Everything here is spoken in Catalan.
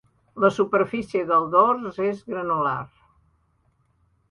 La superfície del dors és granular.